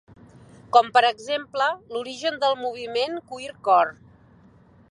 Com per exemple, l'origen del moviment Queercore.